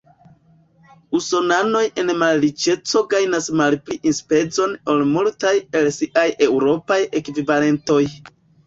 Usonanoj en malriĉeco gajnas malpli enspezon ol multaj el siaj eŭropaj ekvivalentoj.